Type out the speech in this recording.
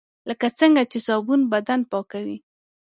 لکه څنګه چې صابون بدن پاکوي .